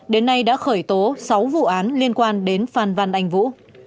đến nay đã khởi tố sáu vụ án liên quan đến phan văn anh vũ